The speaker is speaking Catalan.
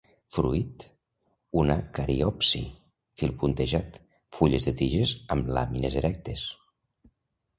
Fruit una cariopsi; fil puntejat. Fulles de tiges amb les làmines erectes.